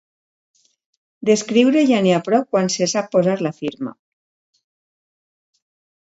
D'escriure ja n'hi ha prou quan se sap posar la firma.